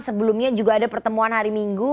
sebelumnya juga ada pertemuan hari minggu